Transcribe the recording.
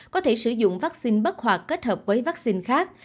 có thể sử dụng vaccine bất hoạt kết hợp với vaccine khác